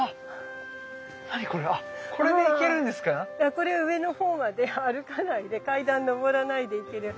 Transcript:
これ上の方まで歩かないで階段上らないで行ける